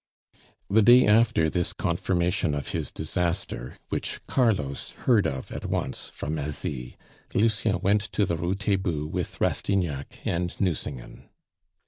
The day after this confirmation of his disaster, which Carlos heard of at once from Asie, Lucien went to the Rue Taitbout with Rastignac and Nucingen.